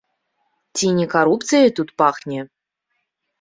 Ці не карупцыяй тут пахне?